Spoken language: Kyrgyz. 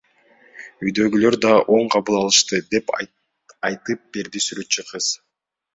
Үйдөгүлөр да оң кабыл алышты, — деп айтып берди сүрөтчү кыз.